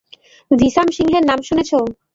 ভিসাম সিংয়ের নাম শুনেছ?